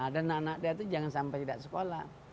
dan anak anak dia itu jangan sampai tidak sekolah